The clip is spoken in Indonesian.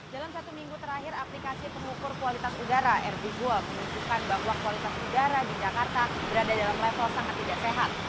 dalam satu minggu terakhir aplikasi pengukur kualitas udara r dual menunjukkan bahwa kualitas udara di jakarta berada dalam level sangat tidak sehat